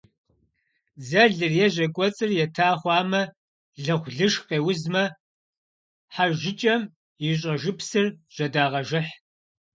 Дзэлыр е жьэ кӏуэцӏыр ета хъуамэ, лыхъулышх къеузмэ, хьэжыкӏэм и щӏэжыпсыр жьэдагъэжыхь.